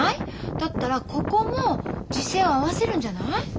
だったらここも時制を合わせるんじゃない？